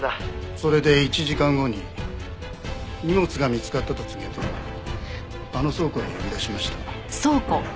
それで１時間後に荷物が見つかったと告げてあの倉庫に呼び出しました。